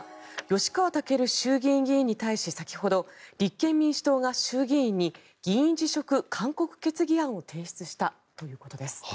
吉川赳衆議院議員に対して先ほど立憲民主党が衆議院に議員辞職勧告決議案を提出したということです。